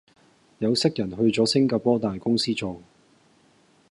有識人去左星加坡大公司做